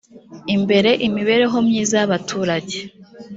imbere imibereho myiza y abaturage